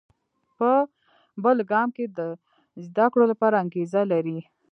په بل ګام کې د زده کړو لپاره انګېزه لري.